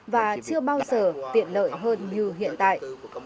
và chưa bao giờ tiện lợi hơn như hiện tại